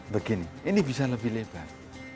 begini ini bisa lebih lebar